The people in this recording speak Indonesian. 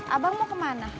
abang mau kemana